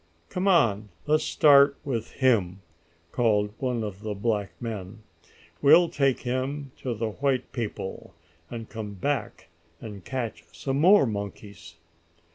"Come on let's start with him!" called one of the black men. "We'll take him to the white people, and come back and catch some more monkeys."